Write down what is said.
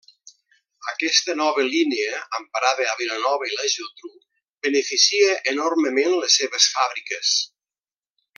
Aquesta nova línia, amb parada a Vilanova i la Geltrú, beneficia enormement les seves fàbriques.